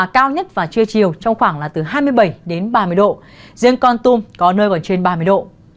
cao nhất trưa chiều trong khoảng hai mươi bảy ba mươi độ riêng con tum có nơi còn trên ba mươi độ